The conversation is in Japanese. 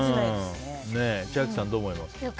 千秋さんはどう思いますか？